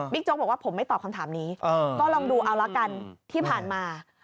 โจ๊กบอกว่าผมไม่ตอบคำถามนี้ก็ลองดูเอาละกันที่ผ่านมา